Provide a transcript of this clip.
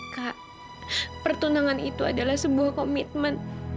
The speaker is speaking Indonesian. kak pertunangan itu adalah sebuah komitmen